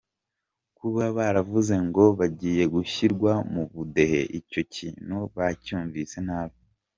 Kuba baravuze ngo bagiye gushyirwa mu budehe, icyo kintu bacyumvise nabi.